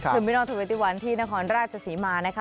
เทอร์มินัลที่๒๑ที่นครราชสีมานะคะ